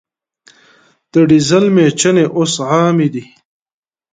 د ډیزل میچنې اوس عامې دي.